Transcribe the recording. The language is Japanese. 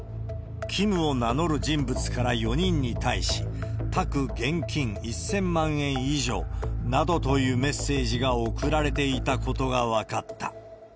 キムを名乗る人物から４人に対し、宅現金１０００万円以上などというメッセージが送られていたことが分かった。